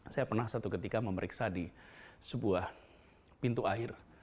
saya pernah satu ketika memeriksa di sebuah pintu air